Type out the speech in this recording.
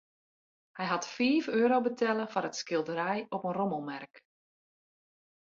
Hy hat fiif euro betelle foar it skilderij op in rommelmerk.